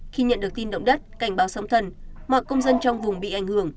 khi nhận được tin động đất cảnh báo sóng thần mọi công dân trong vùng bị ảnh hưởng